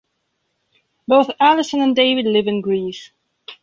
Both Alison and David live in Greece.